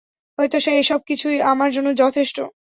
হয়তো এসবকিছুই আমার জন্য যথেষ্ট।